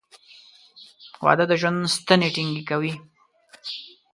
• واده د ژوند ستنې ټینګې کوي.